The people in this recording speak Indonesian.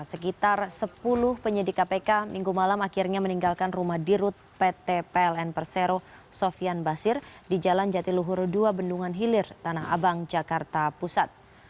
sekitar sepuluh penyidik kpk minggu malam akhirnya meninggalkan rumah dirut pt pln persero sofian basir di jalan jatiluhur dua bendungan hilir tanah abang jakarta pusat